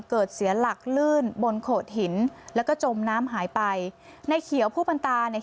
เสียหลักลื่นบนโขดหินแล้วก็จมน้ำหายไปในเขียวผู้เป็นตาเนี่ย